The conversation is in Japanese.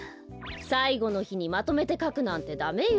さいごのひにまとめてかくなんてダメよ。